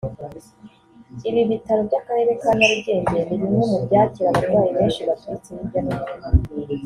Ibi bitaro by’Akarere ka Nyarugenge ni bimwe mu byakira abarwayi benshi baturutse hirya no hino